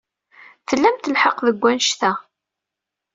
Tlamt lḥeqq deg wanect-a.